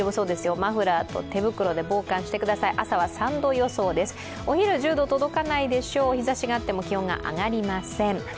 マフラーと手袋で防寒してください、朝は３度予想です、お昼は１０度に届かないでしょう、日ざしがあっても気温が上がりません。